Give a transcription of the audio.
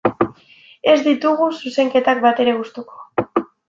Ez ditugu zezenketak batere gustuko.